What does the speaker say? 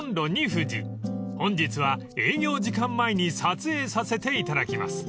［本日は営業時間前に撮影させていただきます］